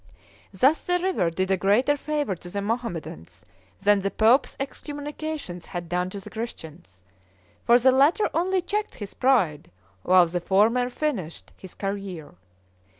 Thus the river did a greater favor to the Mohammedans than the pope's excommunications had done to the Christians; for the latter only checked his pride, while the former finished his career.